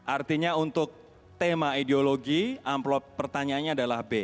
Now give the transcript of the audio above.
artinya untuk tema ideologi amplop pertanyaannya adalah b